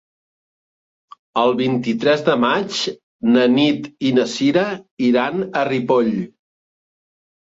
El vint-i-tres de maig na Nit i na Sira iran a Ripoll.